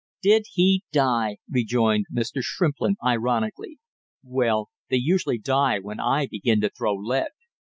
"Did he die!" rejoined Mr. Shrimplin ironically. "Well, they usually die when I begin to throw lead!"